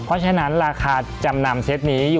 เพราะฉะนั้นราคาจำนำเซตนี้